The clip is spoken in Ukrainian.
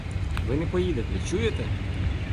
Ви не поїдете, чуєте?